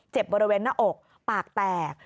บริเวณหน้าอกปากแตก